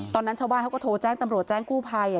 ตอนนั้นชาวบ้านเขาก็โทรแจ้งตำรวจแจ้งกู้ภัย